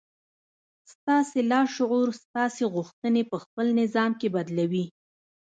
ستاسې لاشعور ستاسې غوښتنې پهخپل نظام کې بدلوي